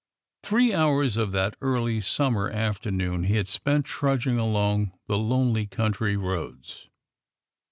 Three hours of that early summer afternoon he spent trudging along the lonely country roads.